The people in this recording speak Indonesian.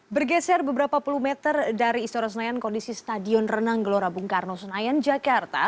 bergeser beberapa puluh meter dari istora senayan kondisi stadion renang gelora bung karno senayan jakarta